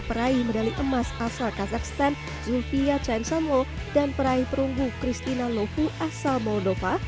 peraih medali emas asal kazakhstan zulfia chainsanloh dan peraih perunggu kristina lohu asal moldova